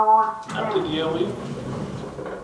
Ad m-t-id-yawi?